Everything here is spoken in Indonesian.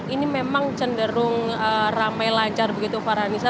ini memang cenderung ramai lancar begitu farhanisa